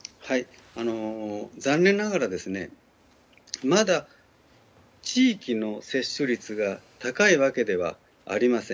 残念ながらまだ地域の接種率が高いわけではありません。